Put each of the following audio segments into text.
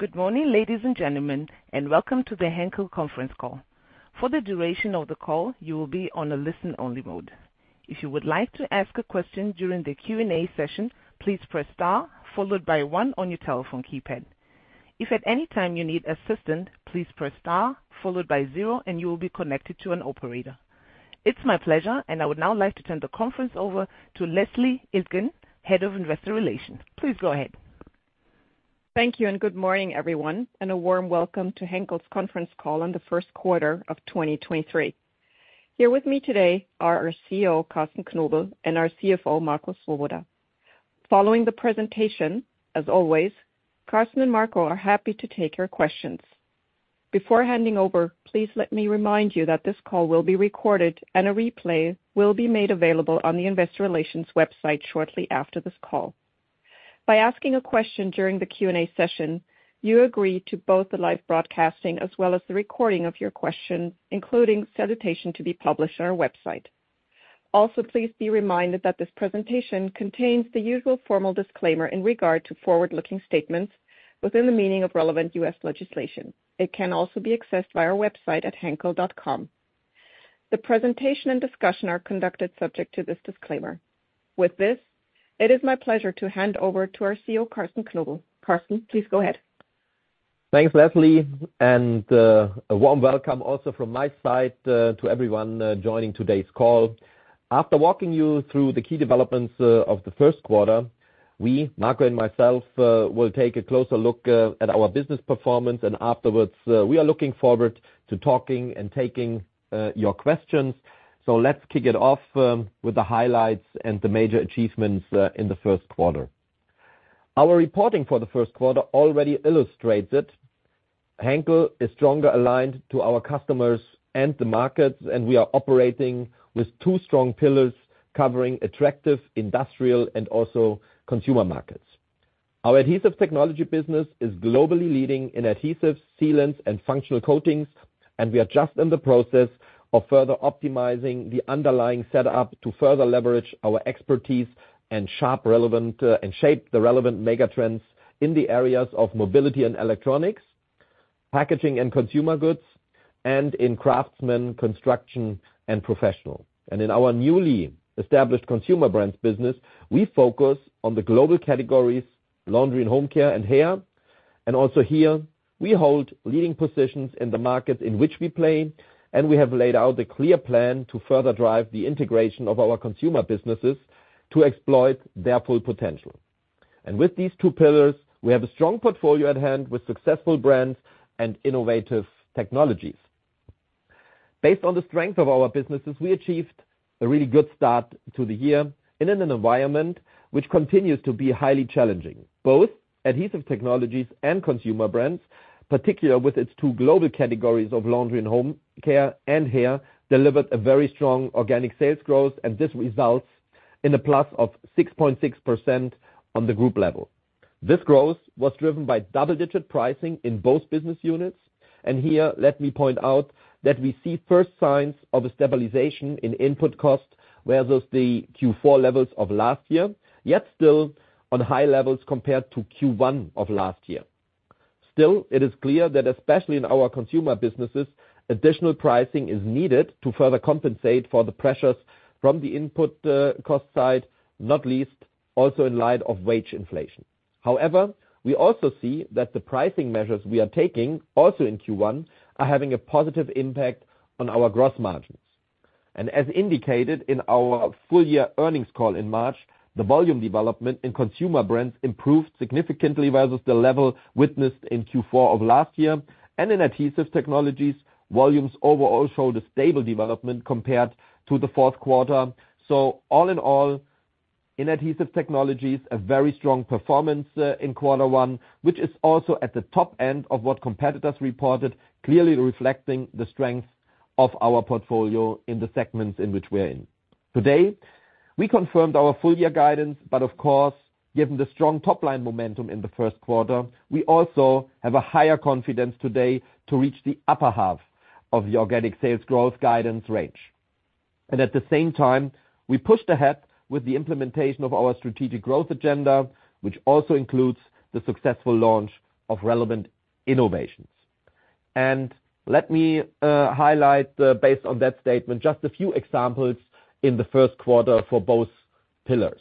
Good morning, ladies and gentlemen, and welcome to the Henkel conference call. For the duration of the call, you will be on a listen-only mode. If you would like to ask a question during the Q&A session, please press star followed by one on your telephone keypad. If at any time you need assistance, please press star followed by zero and you will be connected to an operator. It's my pleasure. I would now like to turn the conference over to Leslie Iltgen, Head of Investor Relations. Please go ahead. Thank you. Good morning, everyone, and a warm welcome to Henkel's conference call on the first quarter of 2023. Here with me today are our CEO, Carsten Knobel, and our CFO, Marco Swoboda. Following the presentation, as always, Carsten and Marco are happy to take your questions. Before handing over, please let me remind you that this call will be recorded and a replay will be made available on the investor relations website shortly after this call. By asking a question during the Q&A session, you agree to both the live broadcasting as well as the recording of your question, including salutation to be published on our website. Please be reminded that this presentation contains the usual formal disclaimer in regard to forward-looking statements within the meaning of relevant U.S. legislation. It can also be accessed via our website at henkel.com. The presentation and discussion are conducted subject to this disclaimer. With this, it is my pleasure to hand over to our CEO, Carsten Knobel. Carsten, please go ahead. Thanks, Leslie, a warm welcome also from my side to everyone joining today's call. After walking you through the key developments of the first quarter, we, Marco and myself, will take a closer look at our business performance. Afterwards, we are looking forward to talking and taking your questions. Let's kick it off with the highlights and the major achievements in the first quarter. Our reporting for the first quarter already illustrates it. Henkel is stronger aligned to our customers and the markets, and we are operating with two strong pillars covering attractive industrial and also consumer markets. Our Adhesive Technologies business is globally leading in adhesives, sealants, and functional coatings, we are just in the process of further optimizing the underlying setup to further leverage our expertise and sharp relevant and shape the relevant megatrends in the areas of Mobility and Electronics, Packaging and consumer goods, and in Craftsmen, construction and professional. In our newly established Consumer Brands business, we focus on the global categories laundry and home care and hair. Also here, we hold leading positions in the markets in which we play, and we have laid out a clear plan to further drive the integration of our consumer businesses to exploit their full potential. With these two pillars, we have a strong portfolio at hand with successful brands and innovative technologies. Based on the strength of our businesses, we achieved a really good start to the year in an environment which continues to be highly challenging. Both Adhesive Technologies and Consumer Brands, particularly with its two global categories of laundry and home care and hair, delivered a very strong organic sales growth. This results in a plus of 6.6% on the group level. This growth was driven by double-digit pricing in both business units. Here, let me point out that we see first signs of a stabilization in input cost, whereas the Q4 levels of last year, yet still on high levels compared to Q1 of last year. Still, it is clear that especially in our consumer businesses, additional pricing is needed to further compensate for the pressures from the input cost side, not least also in light of wage inflation. However, we also see that the pricing measures we are taking also in Q1 are having a positive impact on our gross margins. As indicated in our full year earnings call in March, the volume development in Consumer Brands improved significantly versus the level witnessed in Q4 of last year. In Adhesive Technologies, volumes overall showed a stable development compared to the fourth quarter. All in all, in Adhesive Technologies, a very strong performance in quarter one, which is also at the top end of what competitors reported, clearly reflecting the strength of our portfolio in the segments in which we are in. Today, we confirmed our full year guidance, but of course, given the strong top-line momentum in the first quarter, we also have a higher confidence today to reach the upper half of the organic sales growth guidance range. At the same time, we pushed ahead with the implementation of our strategic growth agenda, which also includes the successful launch of relevant innovations. Let me highlight, based on that statement, just a few examples in the first quarter for both pillars.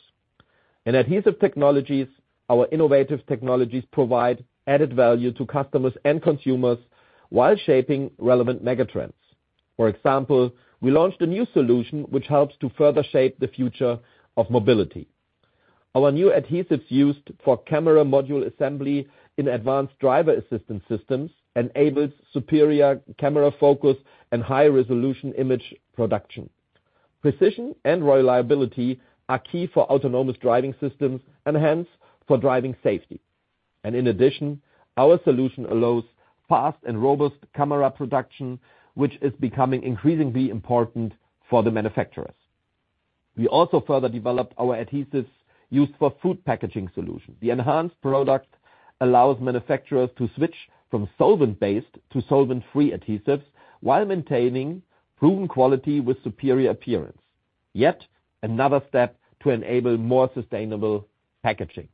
In Adhesive Technologies, our innovative technologies provide added value to customers and consumers while shaping relevant megatrends. For example, we launched a new solution which helps to further shape the future of mobility. Our new adhesives used for camera module assembly in advanced driver assistance systems enables superior camera focus and high resolution image production. Precision and reliability are key for autonomous driving systems and hence for driving safety. In addition, our solution allows fast and robust camera production, which is becoming increasingly important for the manufacturers. We also further developed our adhesives used for food packaging solution. The enhanced product allows manufacturers to switch from solvent-based to solvent-free adhesives while maintaining proven quality with superior appearance. Yet another step to enable more sustainable packaging.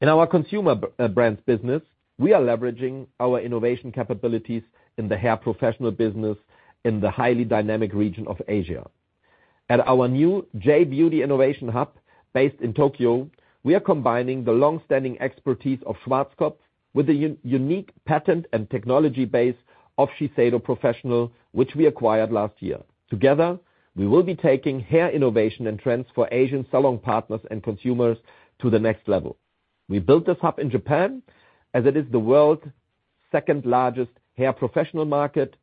In our Consumer Brands business, we are leveraging our innovation capabilities in the hair professional business in the highly dynamic region of Asia. At our new J-beauty innovation hub based in Tokyo, we are combining the long-standing expertise of Schwarzkopf with the unique patent and technology base of Shiseido Professional, which we acquired last year. Together, we will be taking hair innovation and trends for Asian salon partners and consumers to the next level. We built this hub in Japan as it is the world's second-largest hair professional market.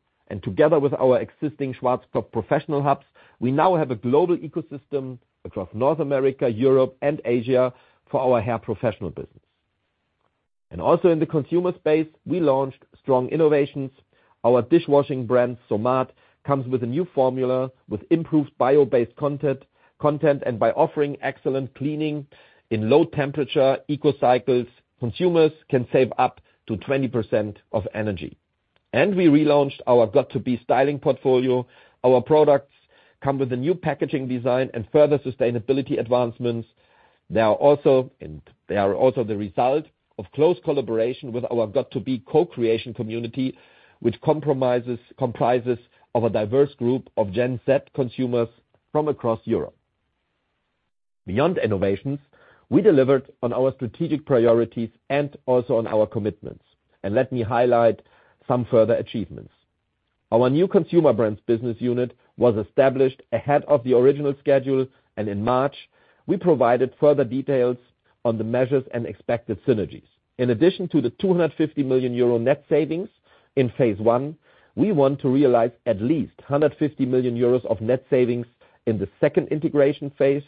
Together with our existing Schwarzkopf professional hubs, we now have a global ecosystem across North America, Europe and Asia for our hair professional business. Also in the consumer space, we launched strong innovations. Our dishwashing brand, Somat, comes with a new formula with improved bio-based content, and by offering excellent cleaning in low temperature eco cycles, consumers can save up to 20% of energy. We relaunched our göt2b styling portfolio. Our products come with a new packaging design and further sustainability advancements. They are also the result of close collaboration with our göt2b co-creation community, which comprises of a diverse group of Gen Z consumers from across Europe. Beyond innovations, we delivered on our strategic priorities and also on our commitments. Let me highlight some further achievements. Our new Consumer Brands business unit was established ahead of the original schedule, and in March, we provided further details on the measures and expected synergies. In addition to the 250 million euro net savings in phase one, we want to realize at least 150 million euros of net savings in the second integration phase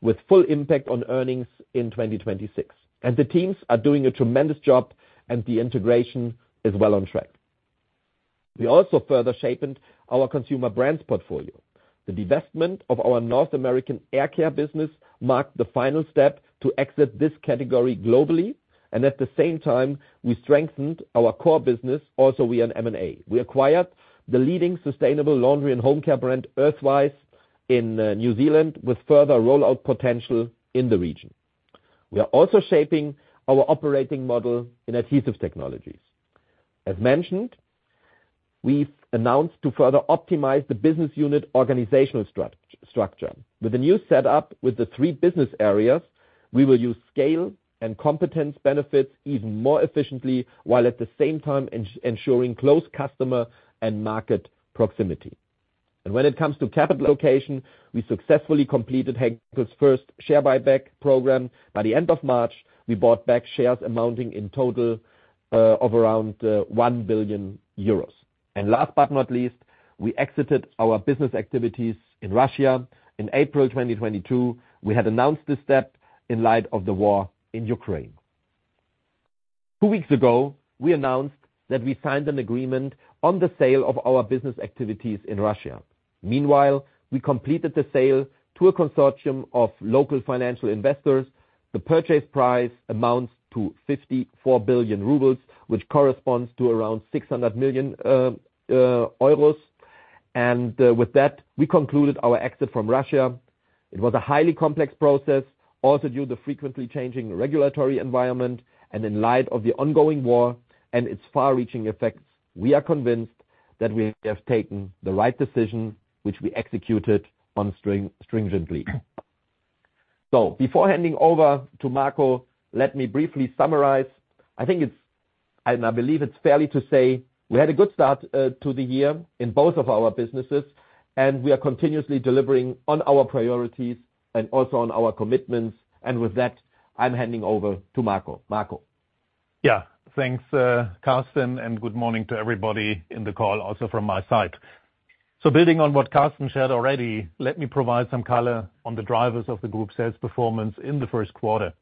with full impact on earnings in 2026. The teams are doing a tremendous job and the integration is well on track. We also further sharpened our Consumer Brands portfolio. The divestment of our North American hair care business marked the final step to exit this category globally. At the same time, we strengthened our core business also via M&A. We acquired the leading sustainable laundry and home care brand, Earthwise, in New Zealand with further rollout potential in the region. We are also shaping our operating model in Adhesive Technologies. As mentioned, we've announced to further optimize the business unit organizational structure. With the new setup with the three business areas, we will use scale and competence benefits even more efficiently, while at the same time ensuring close customer and market proximity. When it comes to capital allocation, we successfully completed Henkel's first share buyback program. By the end of March, we bought back shares amounting in total of around 1 billion euros. Last but not least, we exited our business activities in Russia. In April 2022, we had announced this step in light of the war in Ukraine. Two weeks ago, we announced that we signed an agreement on the sale of our business activities in Russia. Meanwhile, we completed the sale to a consortium of local financial investors. The purchase price amounts to 54 billion rubles, which corresponds to around 600 million euros. With that, we concluded our exit from Russia. It was a highly complex process, also due to frequently changing regulatory environment and in light of the ongoing war and its far-reaching effects. We are convinced that we have taken the right decision, which we executed on stringently. Before handing over to Marco, let me briefly summarize. I believe it's fairly to say we had a good start to the year in both of our businesses, and we are continuously delivering on our priorities and also on our commitments. With that, I'm handing over to Marco. Marco. Yeah. Thanks, Carsten, good morning to everybody in the call, also from my side. Building on what Carsten shared already, let me provide some color on the drivers of the group sales performance in the first quarter.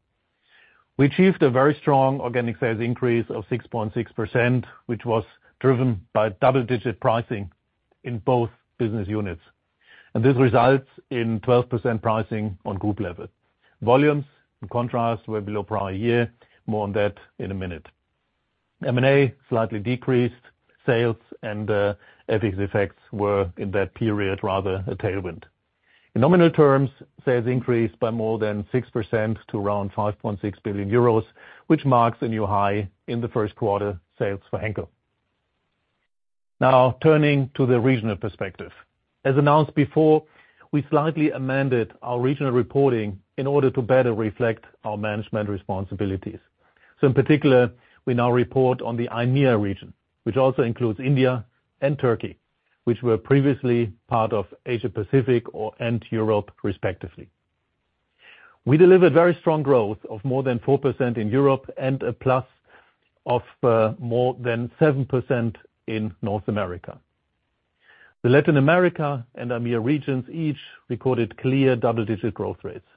We achieved a very strong organic sales increase of 6.6%, which was driven by double-digit pricing in both business units. This results in 12% pricing on group level. Volumes, in contrast, were below prior year. More on that in a minute. M&A slightly decreased sales and FX effects were in that period rather a tailwind. In nominal terms, sales increased by more than 6% to around 5.6 billion euros, which marks a new high in the first quarter sales for Henkel. Turning to the regional perspective. As announced before, we slightly amended our regional reporting in order to better reflect our management responsibilities. In particular, we now report on the IMEA region, which also includes India and Turkey, which were previously part of Asia-Pacific and Europe, respectively. We delivered very strong growth of more than 4% in Europe and a plus of more than 7% in North America. The Latin America and IMEA regions each recorded clear double-digit growth rates.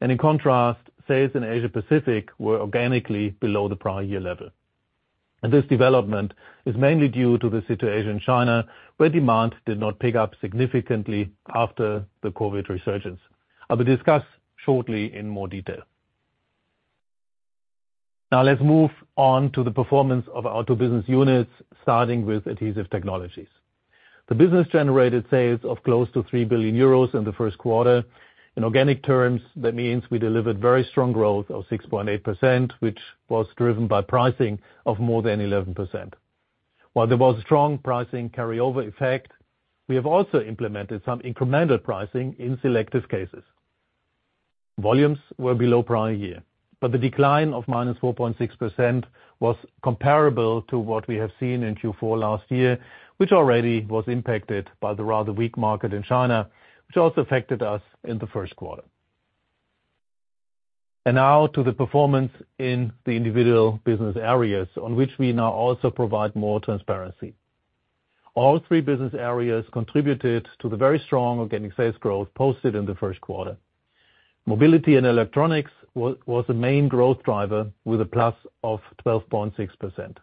In contrast, sales in Asia-Pacific were organically below the prior year level. This development is mainly due to the situation in China, where demand did not pick up significantly after the COVID resurgence. I will discuss shortly in more detail. Now let's move on to the performance of our two business units, starting with Adhesive Technologies. The business generated sales of close to 3 billion euros in the first quarter. In organic terms, that means we delivered very strong growth of 6.8%, which was driven by pricing of more than 11%. While there was a strong pricing carryover effect, we have also implemented some incremental pricing in selective cases. Volumes were below prior year, but the decline of -4.6% was comparable to what we have seen in Q4 last year, which already was impacted by the rather weak market in China, which also affected us in the first quarter. Now to the performance in the individual business areas on which we now also provide more transparency. All three business areas contributed to the very strong organic sales growth posted in the first quarter. Mobility and Electronics was the main growth driver with a plus of 12.6%.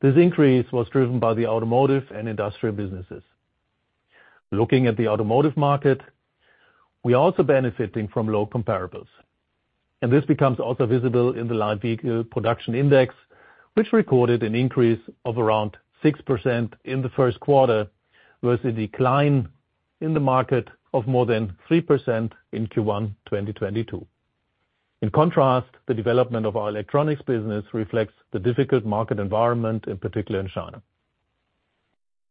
This increase was driven by the automotive and industrial businesses. Looking at the automotive market, we're also benefiting from low comparables. This becomes also visible in the light vehicle production index, which recorded an increase of around 6% in the first quarter versus a decline in the market of more than 3% in Q1, 2022. In contrast, the development of our electronics business reflects the difficult market environment, in particular in China.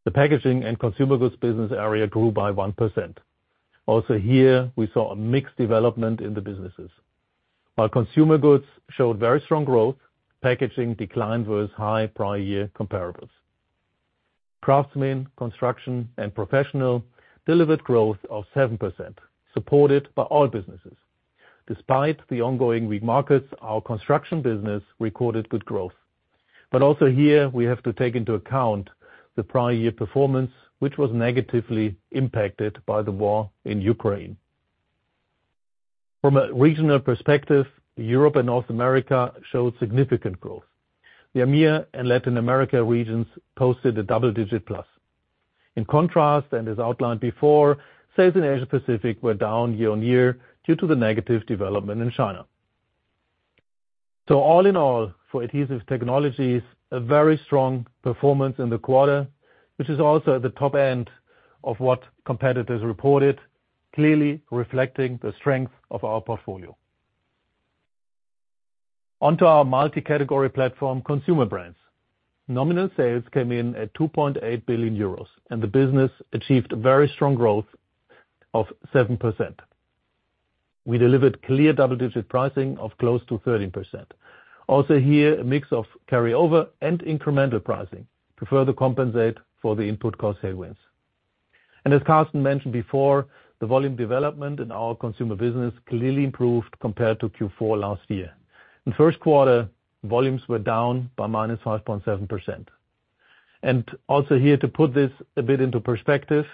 The Packaging and consumer goods business area grew by 1%. Also here, we saw a mixed development in the businesses. While consumer goods showed very strong growth, packaging decline was high prior year comparables. Craftsmen, construction, and professional delivered growth of 7%, supported by all businesses. Despite the ongoing weak markets, our construction business recorded good growth. Also here we have to take into account the prior year performance, which was negatively impacted by the war in Ukraine. From a regional perspective, Europe and North America showed significant growth. The AMEA and Latin America regions posted a double-digit plus. In contrast, and as outlined before, sales in Asia Pacific were down year-over-year due to the negative development in China. All in all, for Adhesive Technologies, a very strong performance in the quarter, which is also at the top end of what competitors reported, clearly reflecting the strength of our portfolio. On to our multi-category platform, Consumer Brands. Nominal sales came in at 2.8 billion euros, and the business achieved very strong growth of 7%. We delivered clear double-digit pricing of close to 13%. Also here, a mix of carryover and incremental pricing to further compensate for the input cost headwinds. As Carsten mentioned before, the volume development in our consumer business clearly improved compared to Q4 last year. In the first quarter, volumes were down by minus 5.7%. To put this a bit into perspective,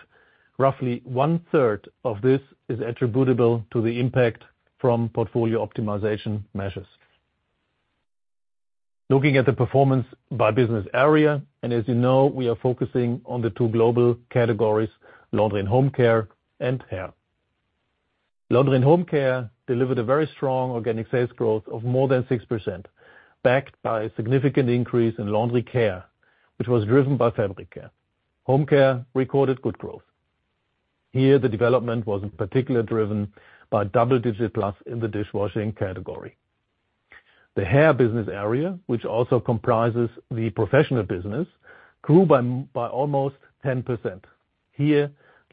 roughly one-third of this is attributable to the impact from portfolio optimization measures. Looking at the performance by business area, we are focusing on the two global categories, laundry and home care, and hair. Laundry and home care delivered a very strong organic sales growth of more than 6%, backed by a significant increase in laundry care, which was driven by fabric care. Home care recorded good growth. The development was in particular driven by double-digit plus in the dishwashing category. The hair business area, which also comprises the professional business, grew by almost 10%.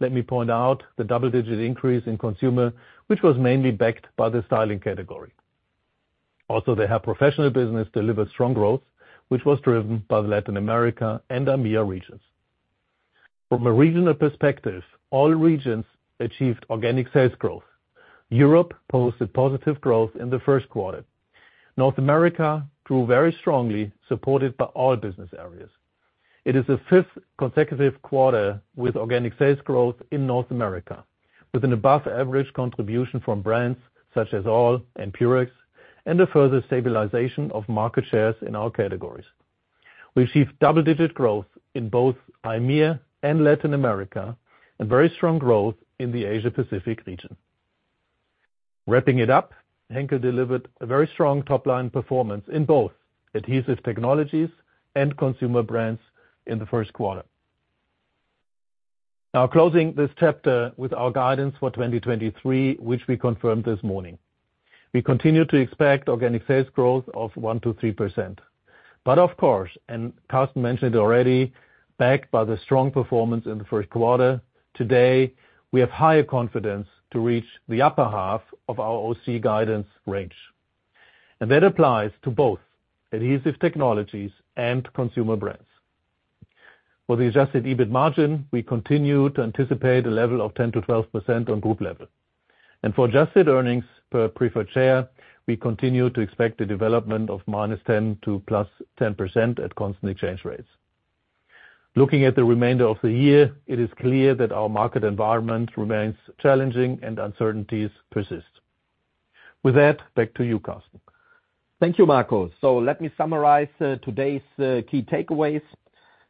Let me point out the double-digit increase in consumer, which was mainly backed by the styling category. The Hair Professional business delivered strong growth, which was driven by the Latin America and AMEA regions. From a regional perspective, all regions achieved organic sales growth. Europe posted positive growth in the first quarter. North America grew very strongly, supported by all business areas. It is the fifth consecutive quarter with organic sales growth in North America, with an above average contribution from brands such as all and Purex, and a further stabilization of market shares in our categories. We achieved double-digit growth in both AMEA and Latin America and very strong growth in the Asia Pacific region. Wrapping it up, Henkel delivered a very strong top-line performance in both Adhesive Technologies and Consumer Brands in the first quarter. Closing this chapter with our guidance for 2023, which we confirmed this morning. We continue to expect organic sales growth of 1%-3%. Of course, and Carsten mentioned it already, backed by the strong performance in the 1st quarter, today, we have higher confidence to reach the upper half of our OC guidance range. That applies to both Adhesive Technologies and Consumer Brands. For the adjusted EBIT margin, we continue to anticipate a level of 10%-12% on group level. For adjusted earnings per preferred share, we continue to expect a development of -10%-+10% at constant exchange rates. Looking at the remainder of the year, it is clear that our market environment remains challenging and uncertainties persist. With that, back to you, Carsten. Thank you, Marco. Let me summarize today's key takeaways.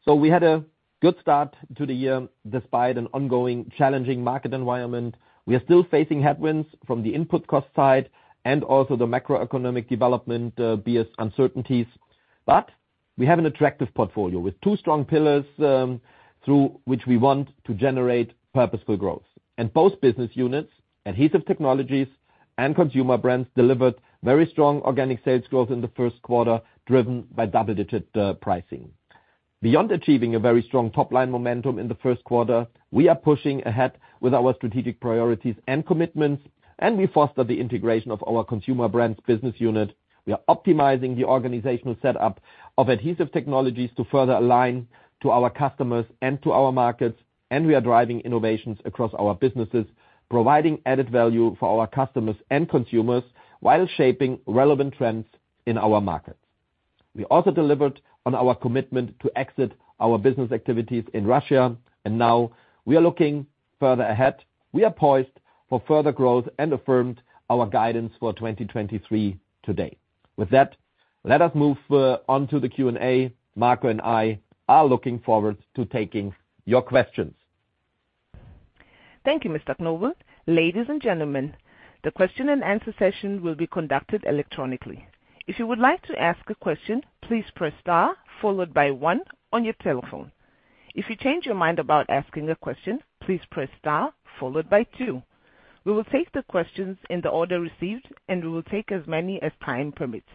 We had a good start to the year despite an ongoing challenging market environment. We are still facing headwinds from the input cost side and also the macroeconomic development, be as uncertainties. We have an attractive portfolio with two strong pillars, through which we want to generate purposeful growth. Both business units, Adhesive Technologies and Consumer Brands, delivered very strong organic sales growth in the first quarter, driven by double-digit pricing. Beyond achieving a very strong top-line momentum in the first quarter, we are pushing ahead with our strategic priorities and commitments, and we foster the integration of our Consumer Brands business unit. We are optimizing the organizational setup of Adhesive Technologies to further align to our customers and to our markets. We are driving innovations across our businesses, providing added value for our customers and consumers while shaping relevant trends in our markets. We also delivered on our commitment to exit our business activities in Russia. Now we are looking further ahead. We are poised for further growth and affirmed our guidance for 2023 today. With that, let us move on to the Q&A. Marco and I are looking forward to taking your questions. Thank you, Mr. Knobel. Ladies and gentlemen, the question-and-answer session will be conducted electronically. If you would like to ask a question, please press star followed by one on your telephone. If you change your mind about asking a question, please press star followed by two. We will take the questions in the order received, and we will take as many as time permits.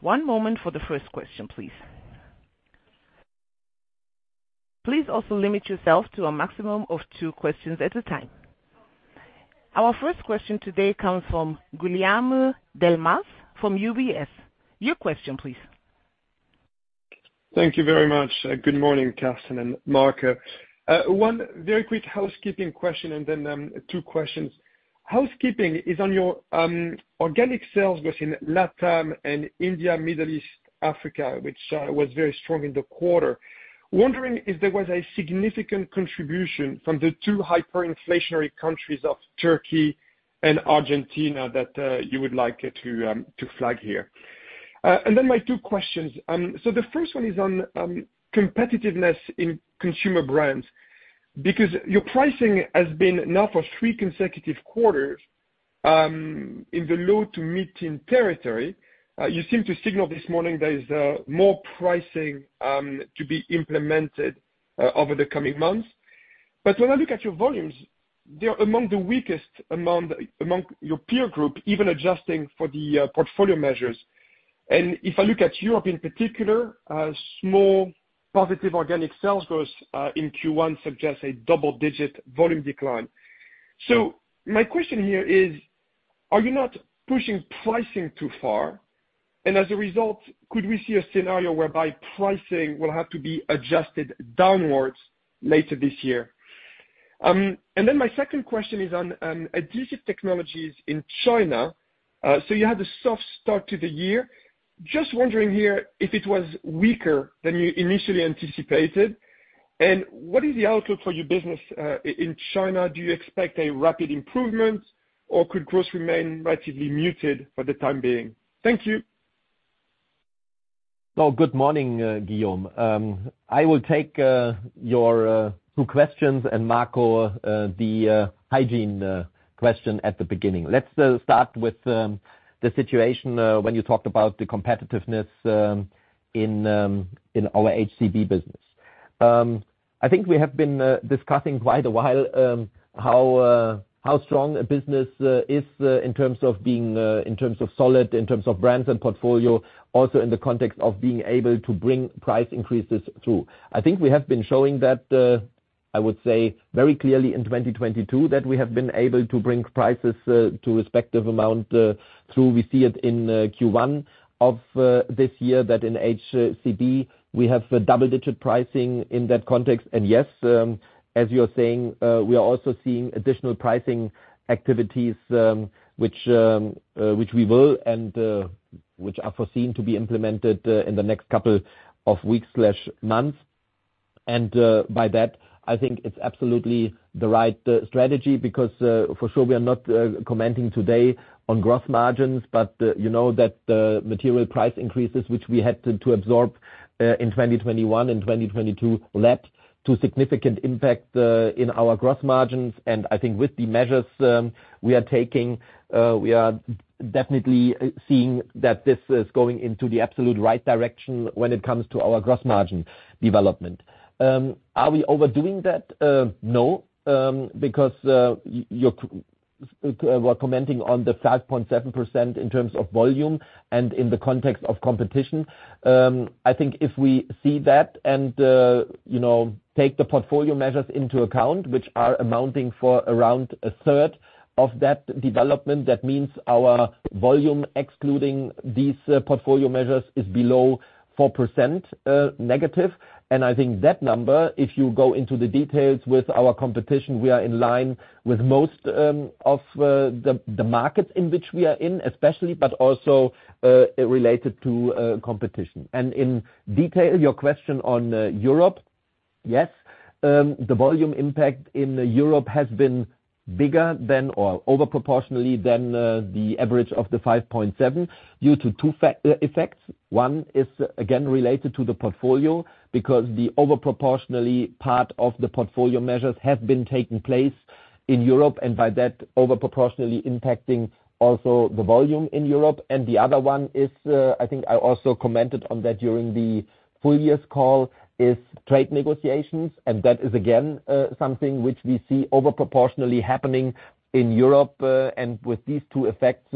One moment for the first question, please. Please also limit yourself to a maximum of two questions at a time. Our first question today comes from Guillaume Delmas from UBS. Your question please. Thank you very much. Good morning, Carsten and Marco. One very quick housekeeping question and then two questions. Housekeeping is on your organic sales within LatAm and India, Middle East, Africa, which was very strong in the quarter. Wondering if there was a significant contribution from the two hyperinflationary countries of Turkey and Argentina that you would like it to flag here. Then my two questions. So the first one is on competitiveness in Consumer Brands, because your pricing has been now for three consecutive quarters in the low to mid-teen territory. You seem to signal this morning there is more pricing to be implemented over the coming months. When I look at your volumes, they are among the weakest amount among your peer group, even adjusting for the portfolio measures. If I look at Europe in particular, small positive organic sales growth, in Q1 suggests a double-digit volume decline. My question here is, are you not pushing pricing too far? As a result, could we see a scenario whereby pricing will have to be adjusted downwards later this year? My second question is on Adhesive Technologies in China. You had a soft start to the year. Just wondering here if it was weaker than you initially anticipated, and what is the outlook for your business, in China? Do you expect a rapid improvement, or could growth remain relatively muted for the time being? Thank you. Good morning, Guillaume. I will take your two questions and Marco, the hygiene question at the beginning. Let's start with the situation when you talked about the competitiveness in our HCB business. I think we have been discussing quite a while how strong a business is in terms of being in terms of solid, in terms of brands and portfolio, also in the context of being able to bring price increases through. I think we have been showing that, I would say, very clearly in 2022, that we have been able to bring prices to respective amount through. We see it in Q1 of this year, that in HCB, we have double-digit pricing in that context. Yes, as you are saying, we are also seeing additional pricing activities, which we will and, which are foreseen to be implemented in the next couple of weeks/months. By that, I think it's absolutely the right strategy because, for sure we are not commenting today on gross margins. You know that, material price increases, which we had to absorb, in 2021 and 2022, led to significant impact in our gross margins. I think with the measures, we are taking, we are definitely seeing that this is going into the absolute right direction when it comes to our gross margin development. Are we overdoing that? No, because you were commenting on the 5.7% in terms of volume and in the context of competition. I think if we see that and, you know, take the portfolio measures into account, which are amounting for around a third of that development, that means our volume, excluding these portfolio measures, is below 4% negative. I think that number, if you go into the details with our competition, we are in line with most of the markets in which we are in especially, but also related to competition. In detail, your question on Europe. Yes. The volume impact in Europe has been bigger than, or over proportionally than, the average of the 5.7 due to two effects. One is again related to the portfolio because the over proportionally part of the portfolio measures have been taking place in Europe and by that over proportionally impacting also the volume in Europe. The other one is, I think I also commented on that during the full year's call, is trade negotiations, and that is again something which we see over proportionally happening in Europe. With these two effects,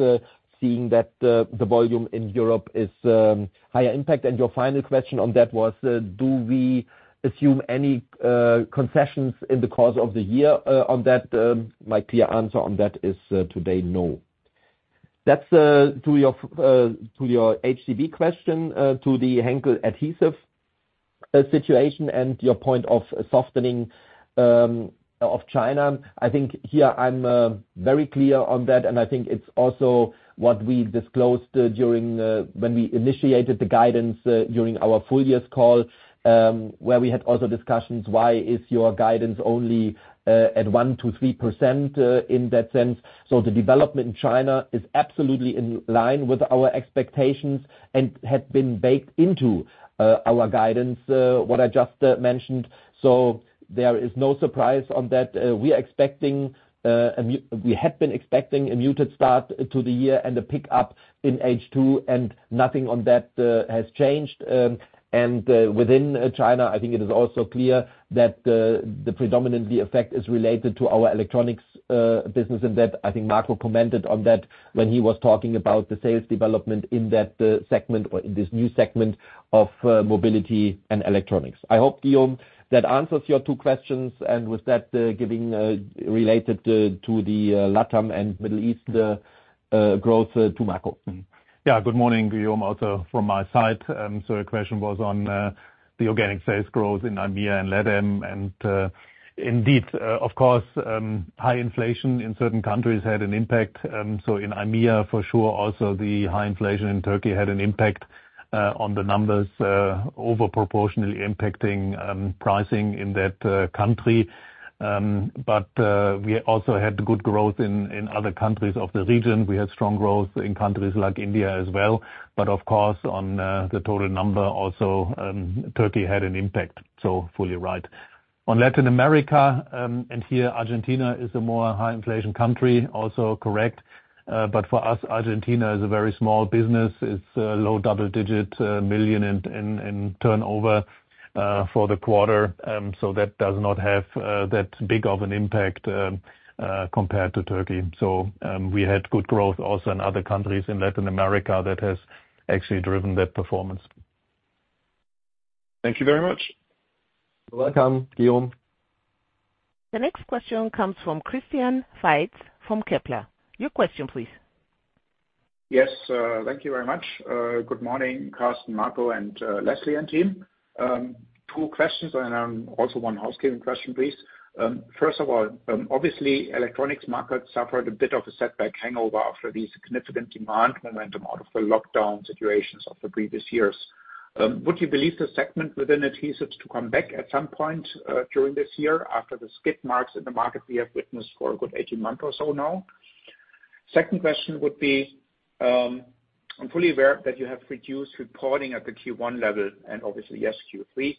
seeing that the volume in Europe is higher impact. Your final question on that was, do we assume any concessions in the course of the year on that? My clear answer on that is today, no. That's to your HCB question, to the Henkel adhesive situation and your point of softening of China. I think here I'm very clear on that, and I think it's also what we disclosed during when we initiated the guidance during our full year's call, where we had also discussions why is your guidance only at 1%-3% in that sense. The development in China is absolutely in line with our expectations and had been baked into our guidance what I just mentioned. There is no surprise on that. We had been expecting a muted start to the year and a pickup in H2, nothing on that has changed. Within China, I think it is also clear that the predominantly effect is related to our electronics business, and that I think Marco commented on that when he was talking about the sales development in that segment or in this new segment of Mobility and Electronics. I hope, Guillaume, that answers your two questions. Giving related to the LATAM and Middle East growth to Marco. Good morning, Guillaume, also from my side. Your question was on the organic sales growth in AMEA and LATAM. Indeed, of course, high inflation in certain countries had an impact. In AMEA, for sure, also the high inflation in Turkey had an impact on the numbers, over proportionally impacting pricing in that country. We also had good growth in other countries of the region. We had strong growth in countries like India as well. Of course, on the total number also, Turkey had an impact, fully right. On Latin America, here Argentina is a more high inflation country also, correct. For us, Argentina is a very small business. It's EUR low double digit million in turnover for the quarter. That does not have that big of an impact compared to Turkey. We had good growth also in other countries in Latin America that has actually driven that performance. Thank you very much. You're welcome, Guillaume. The next question comes from Christian Faitz from Kepler Cheuvreux. Your question, please. Yes. Thank you very much. Good morning, Carsten, Marco, and Leslie and team. Two questions and also one housekeeping question, please. First of all, obviously, Electronics market suffered a bit of a setback hangover after the significant demand momentum out of the lockdown situations of the previous years. Would you believe the segment within Adhesives to come back at some point during this year after the skip marks in the market we have witnessed for a good 18 months or so now? Second question would be, I'm fully aware that you have reduced reporting at the Q1 level and obviously, yes, Q3.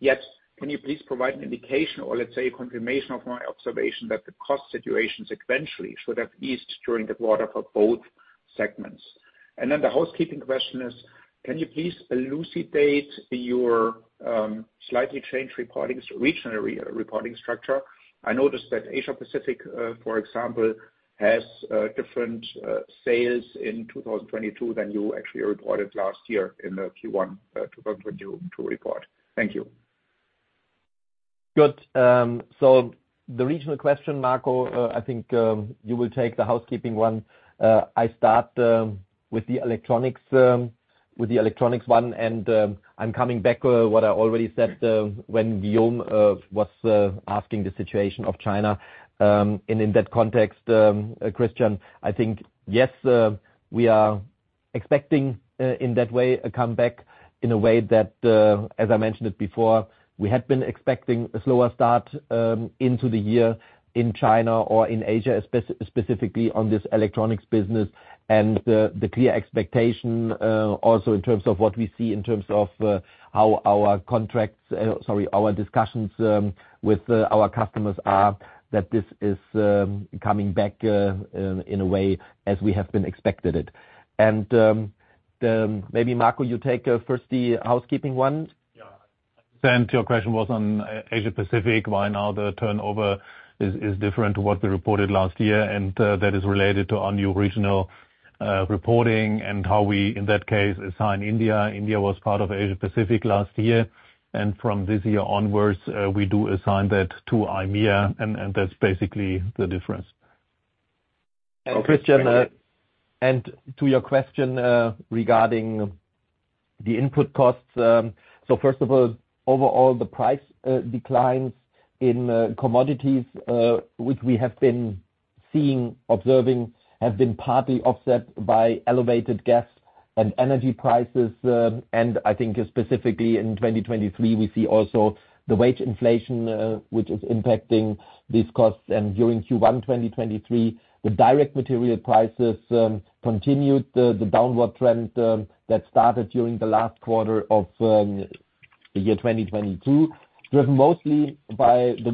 Yes. Can you please provide an indication or let's say a confirmation of my observation that the cost situations eventually should have eased during the quarter for both segments? The housekeeping question is, can you please elucidate your slightly changed regional re-reporting structure? I noticed that Asia Pacific, for example, has different sales in 2022 than you actually reported last year in the Q1 2022 report. Thank you. Good. The regional question, Marco, I think, you will take the housekeeping one. I start with the electronics one, I'm coming back what I already said when Guillaume was asking the situation of China. In that context, Christian, I think, yes, we are expecting in that way a comeback in a way that, as I mentioned it before, we had been expecting a slower start into the year in China or in Asia, specifically on this electronics business. The clear expectation also in terms of what we see in terms of how our contracts, sorry, our discussions with our customers are that this is coming back in a way as we have been expected it. Maybe Marco, you take, first the housekeeping one. Your question was on Asia Pacific. Why now the turnover is different to what we reported last year, and that is related to our new regional reporting and how we, in that case, assign India. India was part of Asia Pacific last year. From this year onwards, we do assign that to AMEA, and that's basically the difference. Christian, and to your question regarding the input costs. First of all, overall, the price declines in commodities, which we have been observing have been partly offset by elevated gas and energy prices. I think specifically in 2023, we see also the wage inflation, which is impacting these costs. During Q1 2023, the direct material prices continued the downward trend that started during the last quarter of the year 2022. Driven mostly by the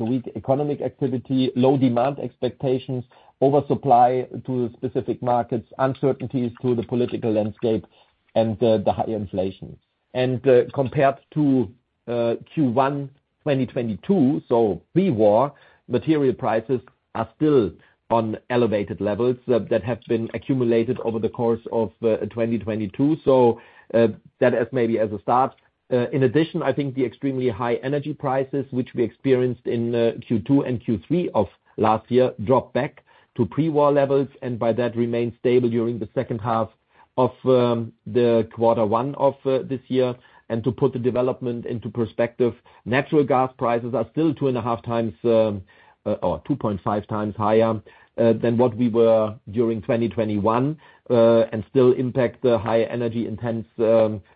weak economic activity, low demand expectations, oversupply to specific markets, uncertainties to the political landscape and the high inflation. Compared to Q1 2022, pre-war material prices are still on elevated levels that have been accumulated over the course of 2022. That is maybe as a start. In addition, I think the extremely high energy prices which we experienced in Q2 and Q3 of last year dropped back to pre-war levels and by that remained stable during the second half of the quarter one of this year. To put the development into perspective, natural gas prices are still 2.5x or 2.5x higher than what we were during 2021 and still impact the high energy-intense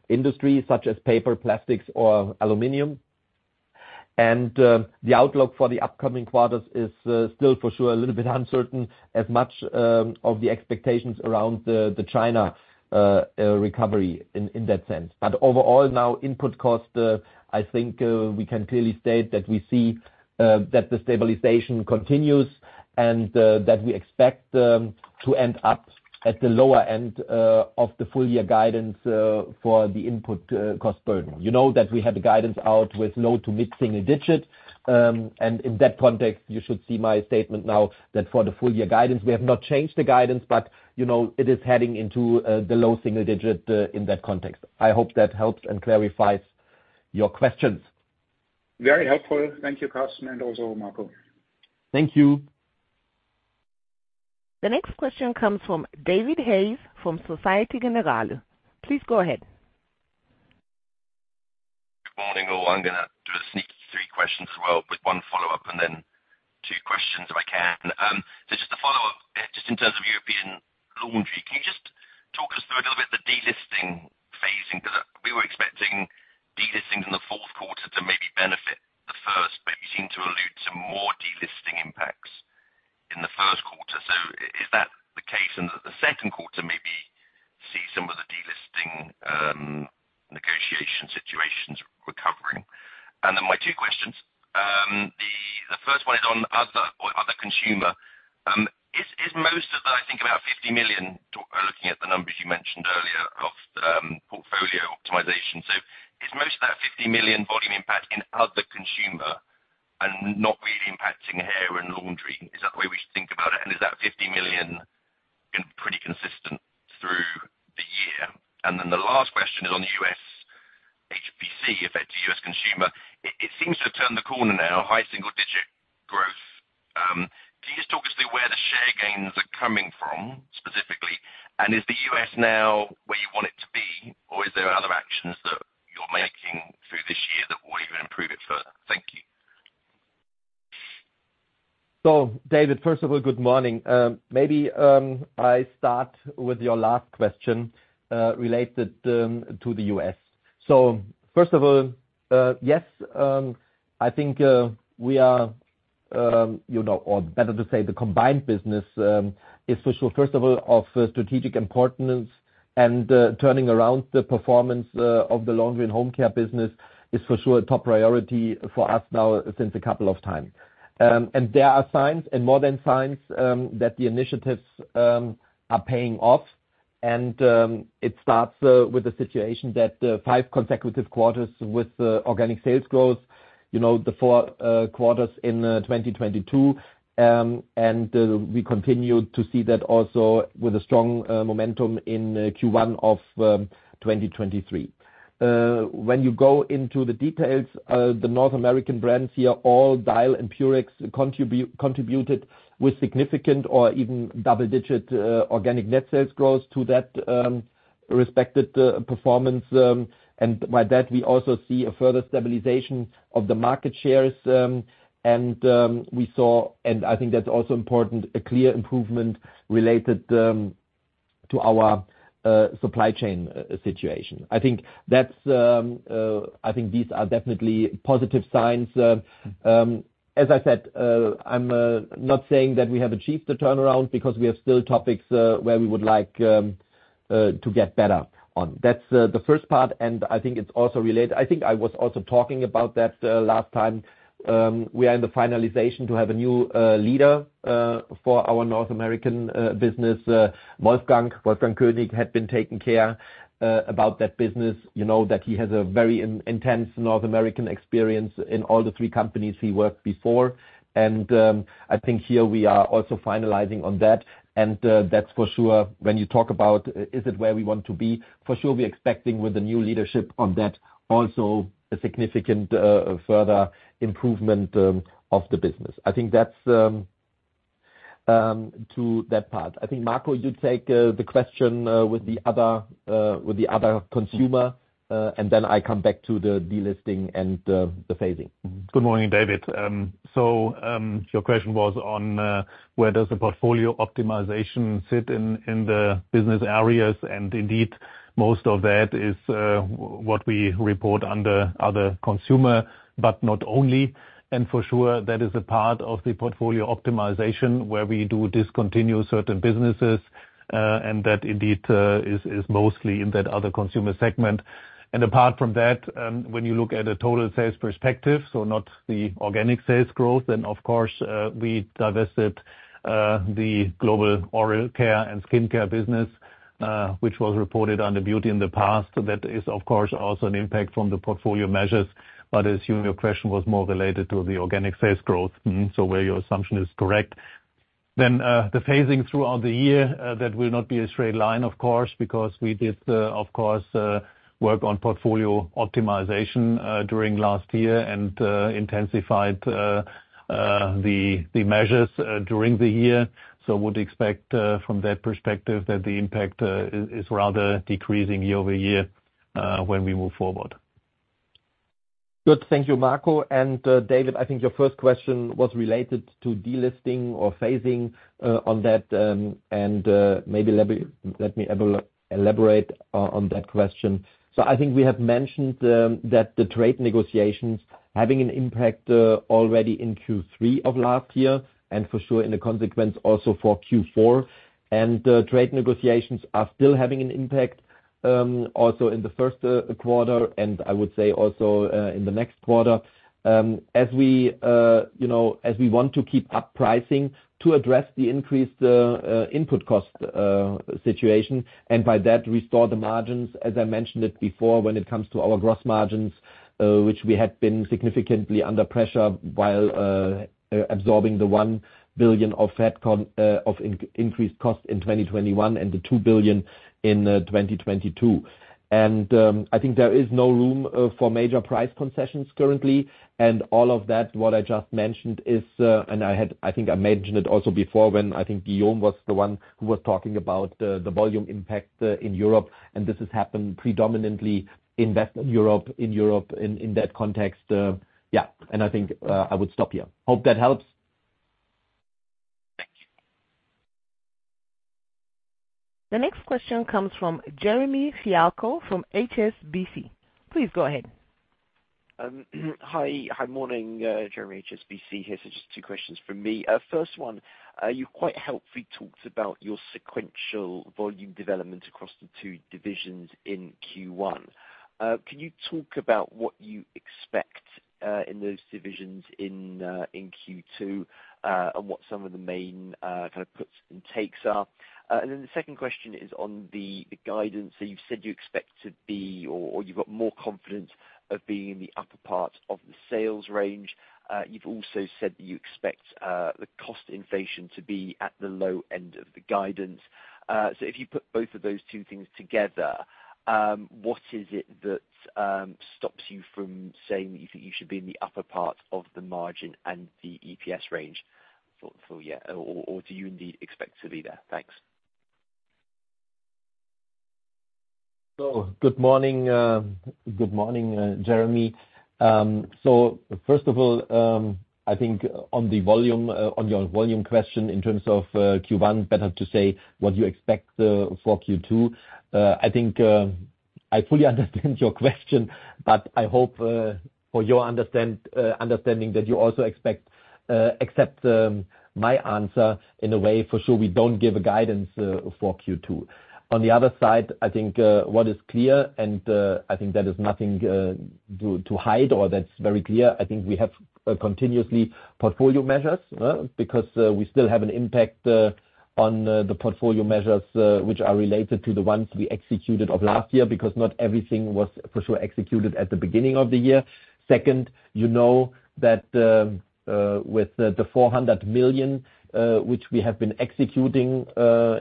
industries such as paper, plastics or aluminum. The outlook for the upcoming quarters is still for sure a little bit uncertain as much of the expectations around the China recovery in that sense. Overall now input cost, I think, we can clearly state that we see that the stabilization continues and that we expect to end up at the lower end of the full year guidance for the input cost burden. You know that we have the guidance out with low to mid-single digit. In that context you should see my statement now that for the full year guidance, we have not changed the guidance. You know, it is heading into the low single digit in that context. I hope that helps and clarifies your questions. Very helpful. Thank you, Carsten and also Marco. Thank you. The next question comes from David Hayes from Societe Generale. Please go ahead. Good morning all. I'm gonna do a sneaky three questions as well, with one follow-up and then two questions if I can. Just a follow-up, just in terms of European laundry. Can you just talk us through a little bit the delisting phasing? Because we were expecting delistings in the fourth quarter to maybe benefit the first, but you seem to allude to more delisting impacts in the first quarter. Is that the case in the second quarter, maybe see some of the delisting negotiation situations recovering? My two questions. The, the first one is on other or other consumer. Is, is most of that I think about 50 million, looking at the numbers you mentioned earlier of portfolio optimization. Is most of that 50 million volume impact in other consumer and not really impacting hair and laundry? Is that the way we should think about it? Is that 50 million pretty consistent through the year? The last question is on U.S. HBC effect to U.S. consumer. It seems to have turned the corner now, high single digit growth. Can you just talk us through where the share gains are coming from specifically? Is the U.S. now where you want it to be or is there other actions that you're making through this year that will even improve it further? Thank you. David, first of all, good morning. Maybe I start with your last question related to the U.S. First of all, yes, I think we are, you know, or better to say the combined business is for sure, first of all of strategic importance and turning around the performance of the laundry and home care business is for sure a top priority for us now since a couple of time. There are signs and more than signs that the initiatives are paying off. It starts with the situation that five consecutive quarters with organic sales growth, you know, the four quarters in 2022. We continue to see that also with a strong momentum in Q1 of 2023. When you go into the details, the North American brands here, all Dial and Purex contributed with significant or even double-digit organic net sales growth to that respected performance. By that we also see a further stabilization of the market shares. We saw, and I think that's also important, a clear improvement related to our supply chain situation. I think that's. I think these are definitely positive signs. As I said, I'm not saying that we have achieved the turnaround because we have still topics where we would like to get better on. That's the first part, and I think it's also related. I think I was also talking about that last time. We are in the finalization to have a new leader for our North American business, Wolfgang. Wolfgang König had been taking care about that business. You know that he has a very intense North American experience in all the three companies he worked before. I think here we are also finalizing on that. That's for sure when you talk about is it where we want to be? For sure we're expecting with the new leadership on that also a significant further improvement of the business. I think that's to that part. I think, Marco, you take the question with the other with the other consumer, I come back to the delisting and the phasing. Good morning, David. Your question was on where does the portfolio optimization sit in the business areas? Indeed, most of that is what we report under other consumer, but not only. For sure, that is a part of the portfolio optimization where we do discontinue certain businesses, and that indeed is mostly in that other consumer segment. Apart from that, when you look at a total sales perspective, so not the organic sales growth, of course, we divested the global oral care and skincare business, which was reported on the beauty in the past. That is, of course, also an impact from the portfolio measures. Assume your question was more related to the organic sales growth. Where your assumption is correct. The phasing throughout the year, that will not be a straight line, of course, because we did, of course, work on portfolio optimization during last year and intensified the measures during the year. Would expect from that perspective that the impact is rather decreasing year-over-year when we move forward. Good. Thank you, Marco. David, I think your first question was related to delisting or phasing on that, maybe let me elaborate on that question. I think we have mentioned that the trade negotiations having an impact already in Q3 of last year, and for sure in the consequence also for Q4. Trade negotiations are still having an impact also in the 1st quarter, and I would say also in the next quarter. As we, you know, as we want to keep up pricing to address the increased input cost situation, by that restore the margins, as I mentioned it before, when it comes to our gross margins, which we had been significantly under pressure while absorbing the 1 billion of increased cost in 2021 and the 2 billion in 2022. I think there is no room for major price concessions currently. All of that, what I just mentioned is, I think I mentioned it also before when I think Guillaume was the one who was talking about the volume impact in Europe, and this has happened predominantly in Western Europe, in Europe in that context. Yeah. I think I would stop here. Hope that helps. Thank you. The next question comes from Jeremy Fialko from HSBC. Please go ahead. Hi. Hi, morning. Jeremy, HSBC here. Just two questions from me. First one, you quite helpfully talked about your sequential volume development across the two divisions in Q1. Can you talk about what you expect in those divisions in Q2, and what some of the main kind of puts and takes are? The 2nd question is on the guidance that you've said you expect to be, or you've got more confidence of being in the upper part of the sales range. You've also said that you expect the cost inflation to be at the low end of the guidance. If you put both of those two things together, what is it that stops you from saying that you think you should be in the upper part of the margin and the EPS range for, yeah, or do you indeed expect to be there? Thanks. Good morning, good morning, Jeremy. First of all, I think on the volume, on your volume question in terms of Q1, better to say what you expect for Q2. I think I fully understand your question, but I hope for your understanding that you also expect, accept, my answer in a way. For sure, we don't give a guidance for Q2. On the other side, I think what is clear and I think that is nothing to hide or that's very clear. I think we have continuously portfolio measures because we still have an impact on the portfolio measures which are related to the ones we executed of last year, because not everything was for sure executed at the beginning of the year. Second, you know that, with the 400 million which we have been executing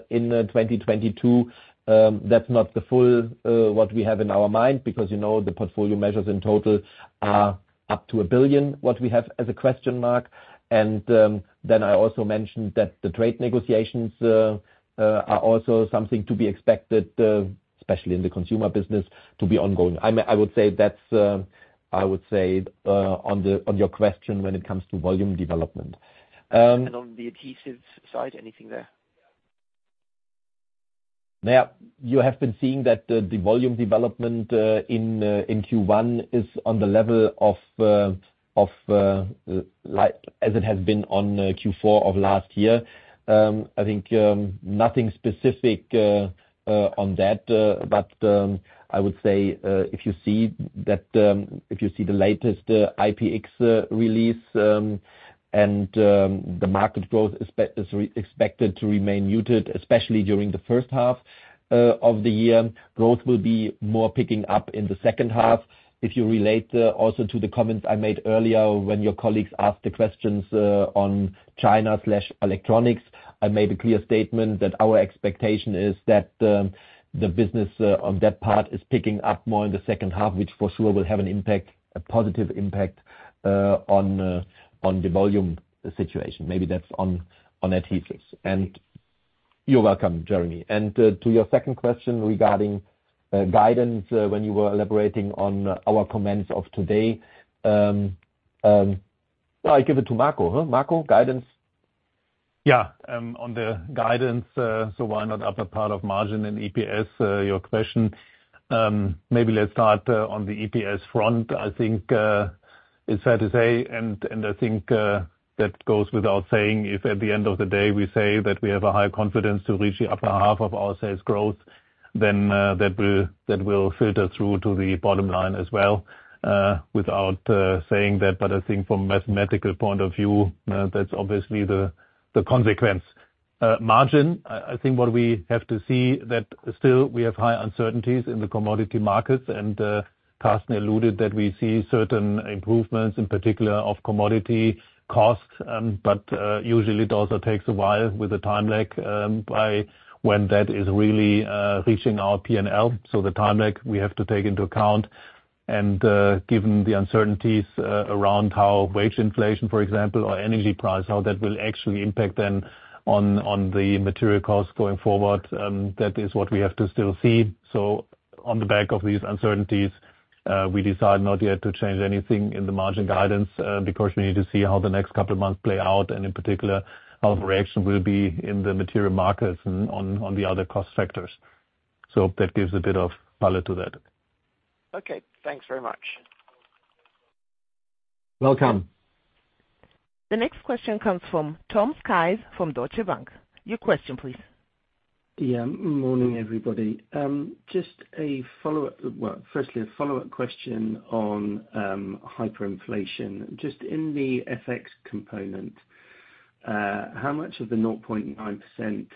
in 2022, that's not the full what we have in our mind, because, you know, the portfolio measures in total are up to 1 billion, what we have as a question mark. Then I also mentioned that the trade negotiations are also something to be expected, especially in the consumer business, to be ongoing. I would say that's, I would say, on your question when it comes to volume development. On the adhesives side, anything there? You have been seeing that the volume development in Q1 is on the level of like as it has been on Q4 of last year. I think nothing specific on that. I would say if you see that, if you see the latest IPX release, and the market growth is expected to remain muted, especially during the first half of the year. Growth will be more picking up in the second half. If you relate, also to the comments I made earlier when your colleagues asked the questions, on China/electronics, I made a clear statement that our expectation is that, the business, on that part is picking up more in the second half, which for sure will have an impact, a positive impact, on the volume situation. Maybe that's on adhesives. You're welcome, Jeremy. To your second question regarding, guidance, when you were elaborating on our comments of today, well, I give it to Marco. Huh, Marco, guidance? On the guidance, why not upper part of margin in EPS, your question. Maybe let's start on the EPS front. I think, it's fair to say, and I think, that goes without saying, if at the end of the day we say that we have a high confidence to reach the upper half of our sales growth, that will filter through to the bottom line as well. Without saying that, I think from mathematical point of view, that's obviously the consequence. Margin, I think what we have to see that still we have high uncertainties in the commodity markets, Carsten alluded that we see certain improvements, in particular of commodity costs. Usually it also takes a while with the time lag by when that is really reaching our PNL. The time lag we have to take into account. Given the uncertainties around how wage inflation, for example, or energy price, how that will actually impact then on the material costs going forward, that is what we have to still see. On the back of these uncertainties, we decide not yet to change anything in the margin guidance because we need to see how the next couple of months play out, and in particular how the reaction will be in the material markets and on the other cost factors. That gives a bit of palette to that. Okay. Thanks very much. Welcome. The next question comes from Tom Sykes from Deutsche Bank. Your question please. Yeah. Morning, everybody. Just a follow-up. Well, firstly, a follow-up question on hyperinflation. Just in the FX component, how much of the 0.9%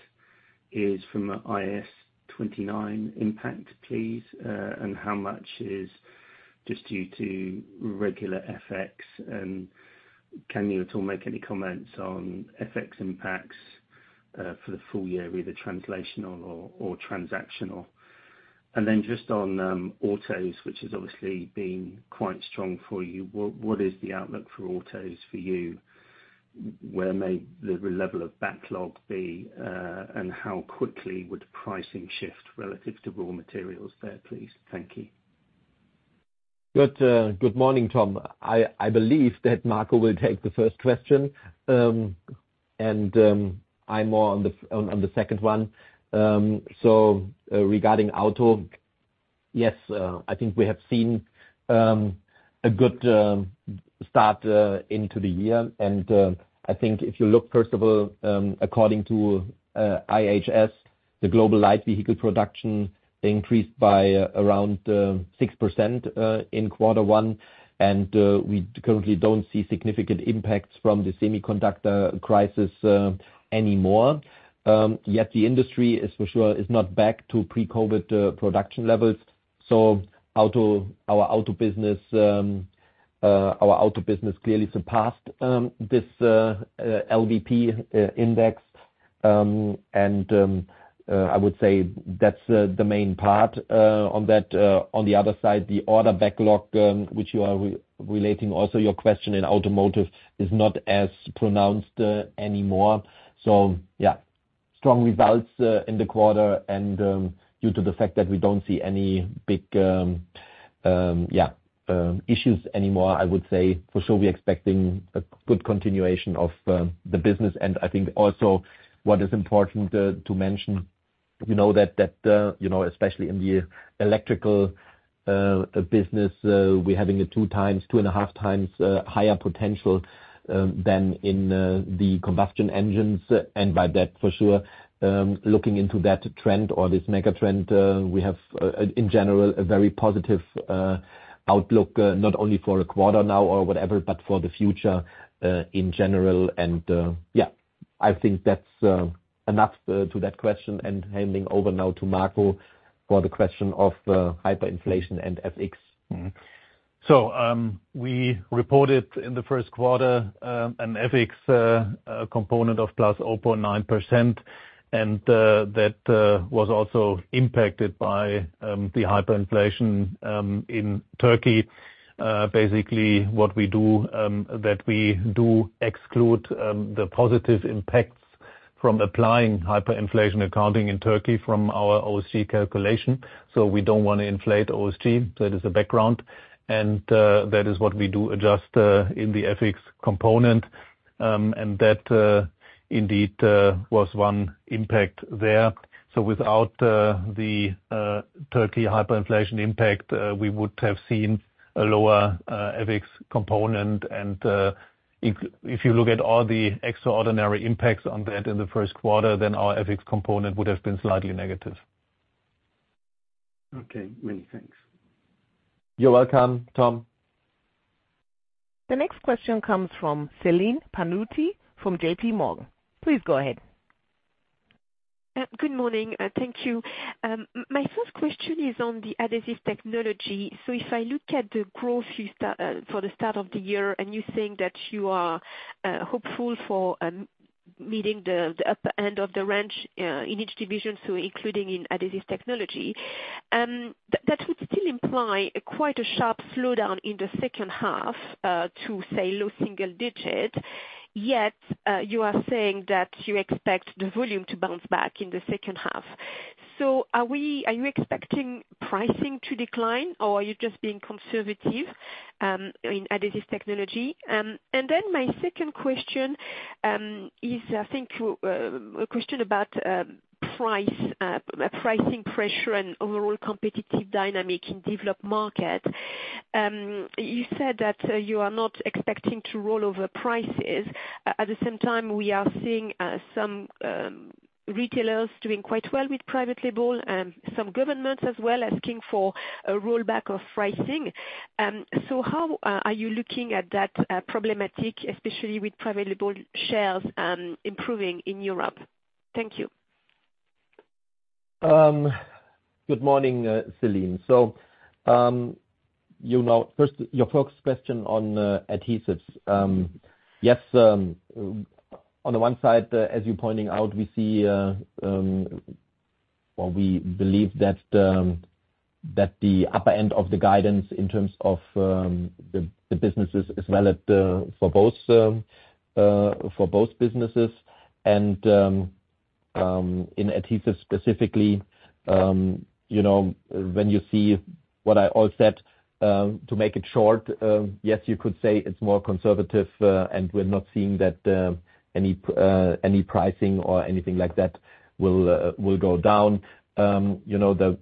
is from IAS 29 impact, please? How much is just due to regular FX? Can you at all make any comments on FX impacts for the full year, either translational or transactional? Just on autos, which has obviously been quite strong for you, what is the outlook for autos for you? Where may the level of backlog be? How quickly would pricing shift relative to raw materials there, please? Thank you. Good morning, Tom. I believe that Marco will take the first question, and I'm more on the second one. Regarding auto, yes, I think we have seen a good start into the year. I think if you look, first of all, according to IHS, the global light vehicle production increased by around 6% in Q1. We currently don't see significant impacts from the semiconductor crisis anymore. Yet the industry is for sure not back to pre-COVID production levels. Auto, our auto business clearly surpassed this LVP index. I would say that's the main part on that. On the other side, the order backlog, which you are re-relating also your question in automotive is not as pronounced anymore. Yeah, strong results in the quarter and due to the fact that we don't see any big issues anymore, I would say for sure we expecting a good continuation of the business. I think also what is important to mention, you know, that, you know, especially in the electrical business, we're having a 2x, 2.5x higher potential than in the combustion engines. By that, for sure, looking into that trend or this mega trend, we have in general a very positive outlook not only for a quarter now or whatever but for the future in general. Yeah, I think that's enough to that question. Handing over now to Marco for the question of hyperinflation and FX. We reported in the first quarter an FX component of +0.9%. That was also impacted by the hyperinflation in Turkey. Basically what we do that we do exclude the positive impacts from applying hyperinflation accounting in Turkey from our OC calculation. We don't wanna inflate OC, so it is a background. That is what we do adjust in the FX component. That indeed was one impact there. Without the Turkey hyperinflation impact, we would have seen a lower FX component. If you look at all the extraordinary impacts on that in the first quarter, then our FX component would have been slightly negative. Okay. Many thanks. You're welcome, Tom. The next question comes from Celine Pannuti from J.P. Morgan. Please go ahead. Good morning, thank you. My first question is on the Adhesive Technologies. If I look at the growth for the start of the year, and you think that you are hopeful for meeting the upper end of the range in each division, so including in Adhesive Technologies. That would still imply quite a sharp slowdown in the second half, to, say, low single digit. Yet, you are saying that you expect the volume to bounce back in the second half. Are we, are you expecting pricing to decline or are you just being conservative in Adhesive Technologies? My second question is, I think, a question about price, pricing pressure and overall competitive dynamic in developed market. You said that you are not expecting to roll over prices. At the same time, we are seeing some retailers doing quite well with private label and some governments as well asking for a rollback of pricing. How are you looking at that problematic, especially with private label shares improving in Europe? Thank you. Good morning, Celine. You know, first, your first question on Adhesives. Yes, on the one side, as you're pointing out, we see or we believe that the upper end of the guidance in terms of the businesses is valid for both businesses. In Adhesives specifically, you know, when you see what I all said, to make it short, yes, you could say it's more conservative, and we're not seeing that any pricing or anything like that will go down. You know,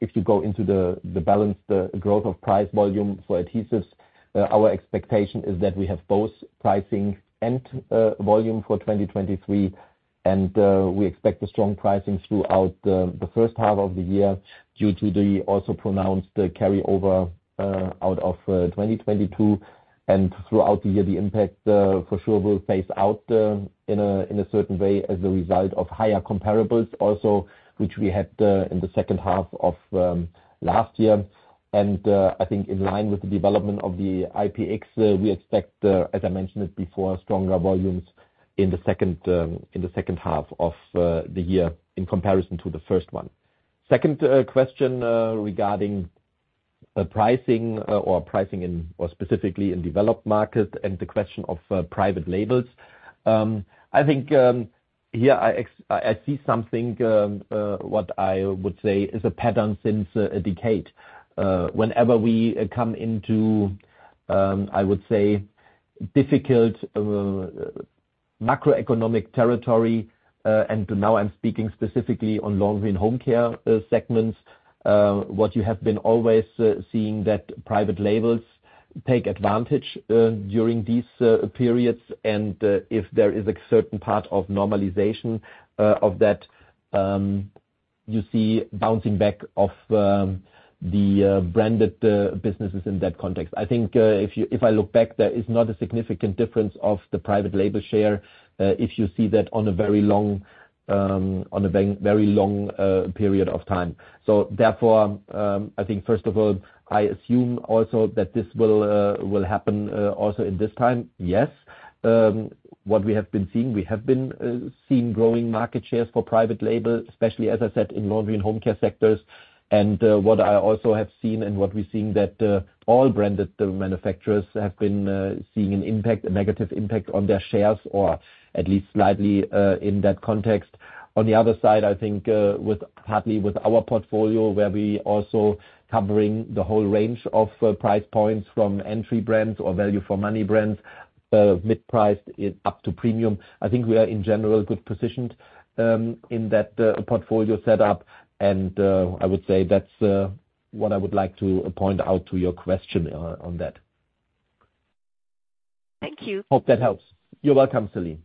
if you go into the balance, the growth of price volume for Adhesives, our expectation is that we have both pricing and volume for 2023. We expect a strong pricing throughout the first half of the year due to the also pronounced carryover out of 2022. Throughout the year, the impact for sure will phase out in a certain way as a result of higher comparables also, which we had in the second half of last year. I think in line with the development of the IPX, we expect, as I mentioned it before, stronger volumes in the second in the second half of the year in comparison to the first one. Second question regarding pricing or pricing in, or specifically in developed markets and the question of private labels. I think here I see something, what I would say is a pattern since a decade. Whenever we come into, I would say, difficult macroeconomic territory, and now I'm speaking specifically on laundry and home care segments. What you have been always seeing that private labels take advantage during these periods. If there is a certain part of normalization of that, you see bouncing back of the branded businesses in that context. I think, if I look back, there is not a significant difference of the private label share, if you see that on a very long, on a very long period of time. Therefore, I think first of all, I assume also that this will happen also in this time. Yes, what we have been seeing, we have been seeing growing market shares for private label, especially, as I said, in laundry and home care sectors. What I also have seen and what we're seeing that all branded manufacturers have been seeing an impact, a negative impact on their shares, or at least slightly in that context. On the other side, I think, with, partly with our portfolio, where we also covering the whole range of price points from entry brands or value for money brands, mid-priced up to premium. I think we are in general good positioned in that portfolio set up. I would say that's what I would like to point out to your question on that. Thank you. Hope that helps. You're welcome, Celine.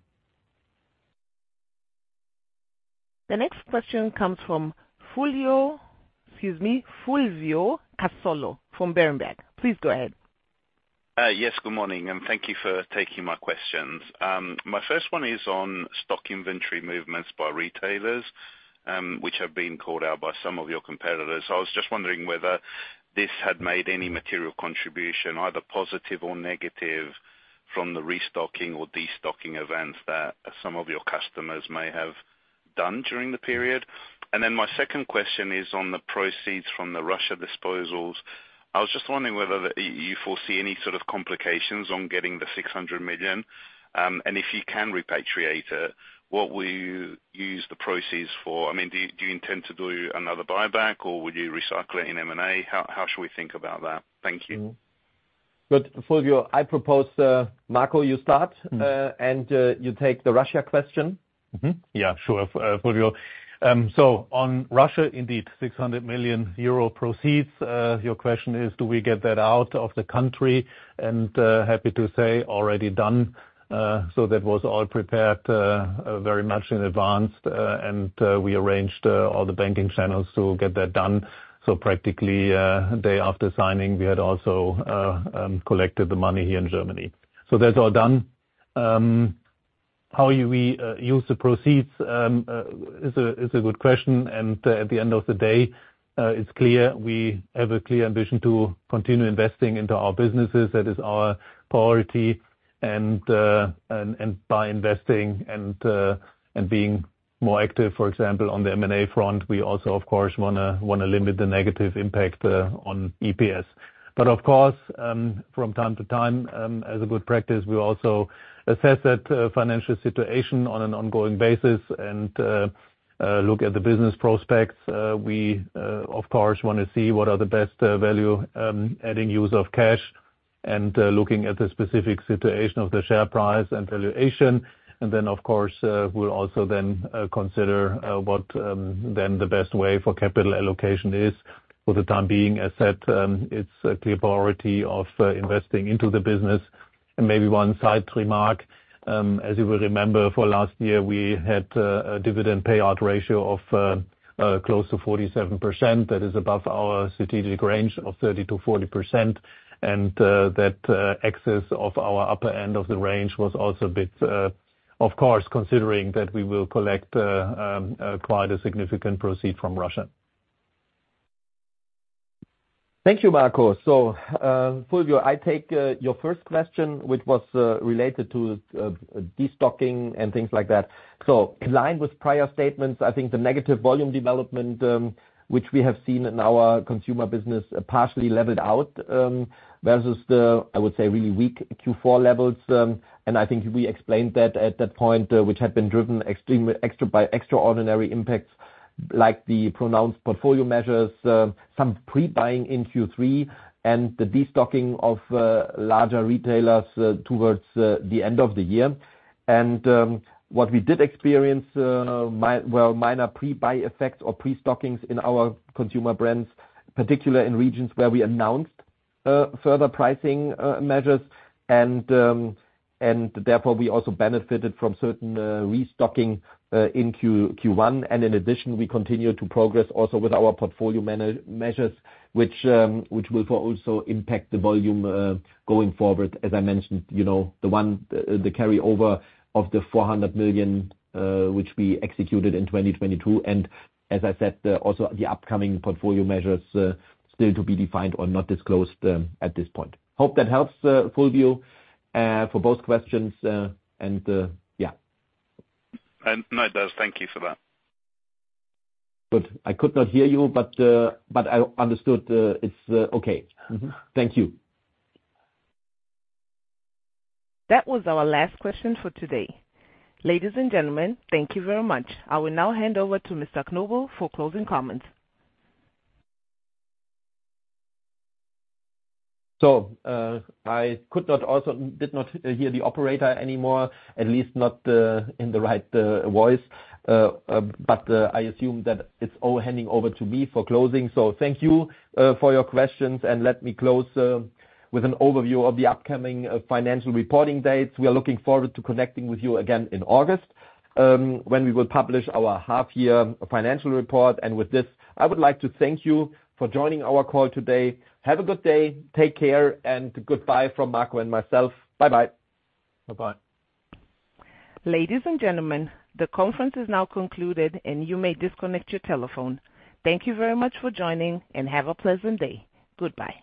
The next question comes from Fulio, excuse me, Fulvio Cazzol from Berenberg. Please go ahead. Yes, good morning, thank you for taking my questions. My first one is on stock inventory movements by retailers, which have been called out by some of your competitors. I was just wondering whether this had made any material contribution, either positive or negative, from the restocking or destocking events that some of your customers may have done during the period. My second question is on the proceeds from the Russia disposals. I was just wondering whether you foresee any sort of complications on getting the 600 million. If you can repatriate it, what will you use the proceeds for? I mean, do you intend to do another buyback or will you recycle it in M&A? How should we think about that? Thank you. Good. Fulvio, I propose, Marco, you start, and you take the Russia question. Yeah, sure. Fulvio, on Russia, indeed 600 million euro proceeds. Your question is, do we get that out of the country? Happy to say, already done. That was all prepared very much in advance. We arranged all the banking channels to get that done. Practically, day after signing, we had also collected the money here in Germany. That's all done. How we use the proceeds is a good question. At the end of the day, it's clear we have a clear ambition to continue investing into our businesses. That is our priority. By investing and being more active, for example, on the M&A front, we also of course wanna limit the negative impact on EPS. Of course, from time to time, as a good practice, we also assess that financial situation on an ongoing basis and look at the business prospects. We of course wanna see what are the best value adding use of cash and looking at the specific situation of the share price and valuation. Of course, we'll also then consider what then the best way for capital allocation is. For the time being, as said, it's a clear priority of investing into the business. Maybe one side remark, as you will remember for last year, we had a dividend payout ratio of close to 47%. That is above our strategic range of 30%-40%. That excess of our upper end of the range was also a bit, of course, considering that we will collect quite a significant proceed from Russia. Thank you, Marco. Fulvio, I take your first question, which was related to destocking and things like that. In line with prior statements, I think the negative volume development, which we have seen in our consumer business, partially leveled out versus the, I would say, really weak Q4 levels. I think we explained that at that point, which had been driven extremely extra by extraordinary impacts like the pronounced portfolio measures, some pre-buying in Q3 and the destocking of larger retailers towards the end of the year. What we did experience, minor pre-buy effects or pre-stockings in our Consumer Brands, particular in regions where we announced further pricing measures. Therefore we also benefited from certain restocking in Q1. In addition, we continue to progress also with our portfolio measures, which will for also impact the volume going forward. As I mentioned, you know, the carryover of the 400 million, which we executed in 2022. As I said, also the upcoming portfolio measures, still to be defined or not disclosed, at this point. Hope that helps, Fulvio, for both questions, and yeah. No, it does. Thank you for that. Good. I could not hear you, but I understood, it's okay. Mm-hmm. Thank you. That was our last question for today. Ladies and gentlemen, thank you very much. I will now hand over to Mr. Knobel for closing comments. I could not did not hear the operator anymore, at least not in the right voice. I assume that it's all handing over to me for closing. Thank you for your questions, and let me close with an overview of the upcoming financial reporting dates. We are looking forward to connecting with you again in August, when we will publish our half year financial report. With this, I would like to thank you for joining our call today. Have a good day, take care, and goodbye from Marco and myself. Bye-bye. Bye-bye. Ladies and gentlemen, the conference is now concluded and you may disconnect your telephone. Thank you very much for joining and have a pleasant day. Goodbye.